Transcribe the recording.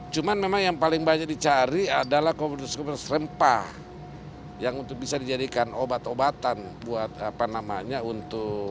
cuman memang yang paling banyak dicari adalah komoditas komoditas rempah yang untuk bisa dijadikan obat obatan buat apa namanya untuk